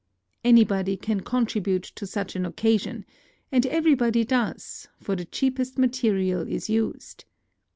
Anybody can con tribute to such an occasion ; and everybody does, for the cheapest material is used.